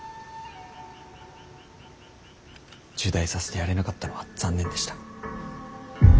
入内させてやれなかったのは残念でした。